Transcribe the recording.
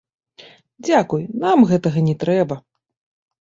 Дзякуй, нам гэтага не трэба!